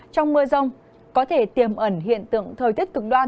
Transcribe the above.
trong mưa rông có thể tiềm ẩn hiện tượng thời tiết cực đoan